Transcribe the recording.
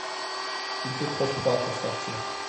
Il fait trop froid pour sortir.